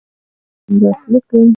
تړون لاسلیک کړ.